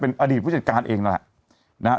เป็นอดีตผู้จัดการเองนะครับ